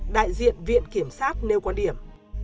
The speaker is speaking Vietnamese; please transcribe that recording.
đại diện viện kiểm sát nêu quan điểm